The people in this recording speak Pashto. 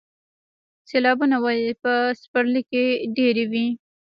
سیلابونه ولې په پسرلي کې ډیر وي؟